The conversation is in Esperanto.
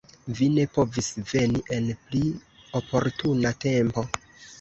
Vi ne povis veni en pli oportuna tempo.